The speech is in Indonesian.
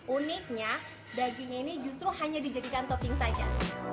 uniknya daging ini justru hanya dijadikan topping saja